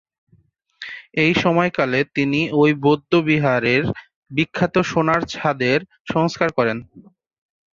এই সময়কালে তিনি ঐ বৌদ্ধবিহারের বিখ্যাত সোনার ছাদের সংস্কার করেন।